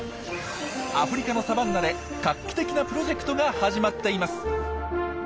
アフリカのサバンナで画期的なプロジェクトが始まっています。